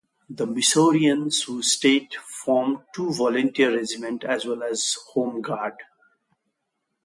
The Missourians who stayed formed two volunteer regiments, as well as home guard.